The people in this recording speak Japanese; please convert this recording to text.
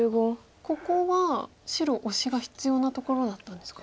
ここは白オシが必要なところだったんですか。